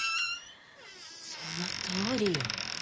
そのとおりよ。